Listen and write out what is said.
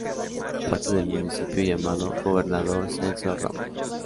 Es parte del municipio llamado "Governador Celso Ramos".